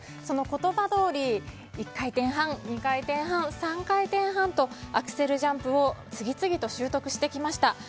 その言葉どおり１回転半、２回転半、３回転半４回転半とアクセルジャンプを次々と習得してきました。